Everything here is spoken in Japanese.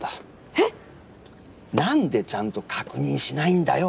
えっ⁉何でちゃんと確認しないんだよ